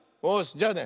じゃあね